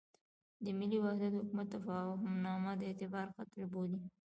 د ملي وحدت حکومت تفاهمنامه د اعتبار قتل بولم.